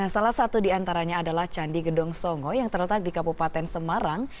salah satu diantaranya adalah candi gedong songo yang terletak di kabupaten semarang